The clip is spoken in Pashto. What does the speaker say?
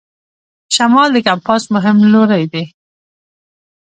شمال د کمپاس مهم لوری دی.